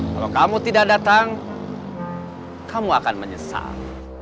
kalau kamu tidak datang kamu akan menyesal